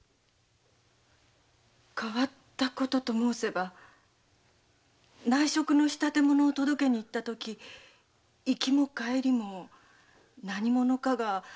変わったことと申せば内職の仕立物を届けに行ったとき行きも帰りも何者かがあとをつけていたような気が。